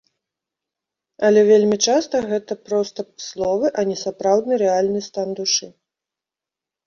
Але вельмі часта гэта проста словы, а не сапраўдны рэальны стан душы.